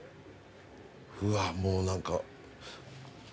うわもう何か。